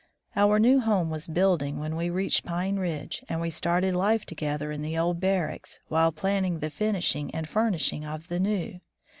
Our new home was building when we reached Pine Ridge, and we started life together in the old barracks, while planning the finishing and furnishing of the new.